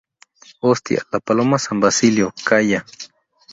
¡ hostia, la Paloma San Basilio! ¡ calla!